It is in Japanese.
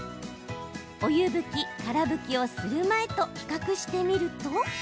お湯拭き・から拭きをする前と比較してみると。